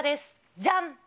じゃん。